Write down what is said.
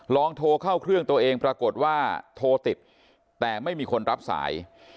ลองโทรเข้าเครื่องตัวเองปรากฏว่าโทรติดแต่ไม่มีคนรับสาย